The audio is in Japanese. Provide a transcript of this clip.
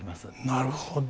なるほど。